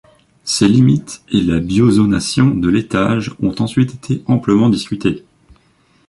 Ces limites et la biozonation de l’étage ont ensuite été amplement discutées.